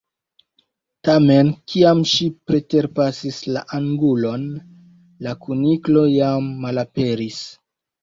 Tamen, kiam ŝi preterpasis la angulon, la kuniklo jam malaperis.